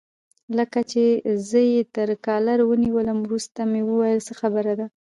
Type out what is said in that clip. لکه زه چې یې تر کالر ونیولم، ورته مې وویل: څه خبره ده؟